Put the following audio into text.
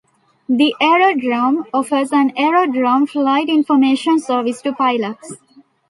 The aerodrome offers an Aerodrome Flight Information Service to pilots.